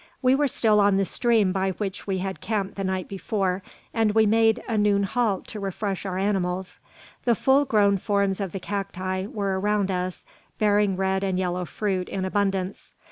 We were still on the stream by which we had camped the night before, and we made a noon halt to refresh our animals. The full grown forms of the cacti were around us, bearing red and yellow fruit in abundance.